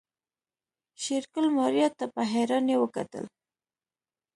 شېرګل ماريا ته په حيرانۍ وکتل.